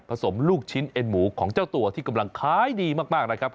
สมลูกชิ้นเอ็นหมูของเจ้าตัวที่กำลังขายดีมากนะครับ